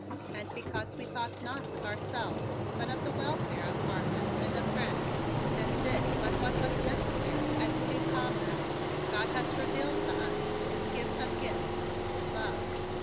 And because we thought not of ourselves but of the welfare of Harpeth and of France, and did but what was necessary as two comrades, God has revealed to us his gift of gifts love.